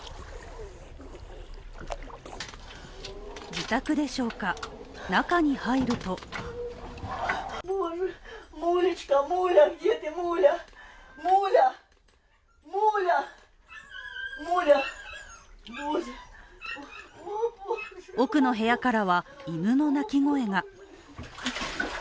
自宅でしょうか、中に入ると奥の部屋からは犬の鳴き声が。